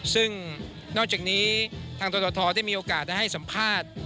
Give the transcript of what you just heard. ซึ่งนอกจากนี้ทางทศได้มีโอกาสได้ให้สัมภาษณ์